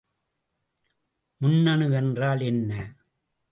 முன்னணு என்றால் என்ன?